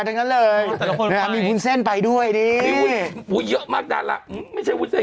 ทั้งนั้นเลยแต่ละคนมีวุ้นเส้นไปด้วยนี่เยอะมากดาราไม่ใช่วุ้นเส้น